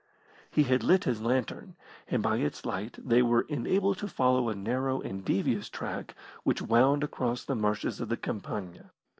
He had lit his lantern, and by its light they were enabled to follow a narrow and devious track which wound across the marshes of the Campagna.